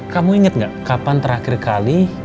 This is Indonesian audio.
kamu inget gak kapan terakhir kali